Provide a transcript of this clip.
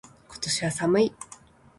今年は寒い。